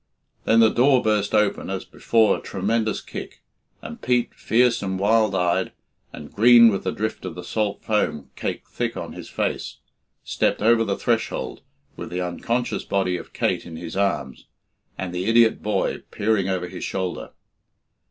Then the door burst open as before a tremendous kick, and Pete, fierce and wild eyed, and green with the drift of the salt foam caked thick on his face, stepped over the threshold with the unconscious body of Kate in his arms and the idiot boy peering over his shoulder.